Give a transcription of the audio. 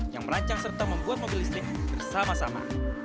yang merancang serta membuat mobil listrik bersama sama